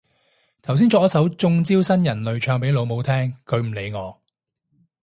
頭先作咗首中招新人類唱俾老母聽，佢唔理我